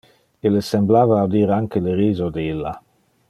E le semblava audir anque le riso de illa.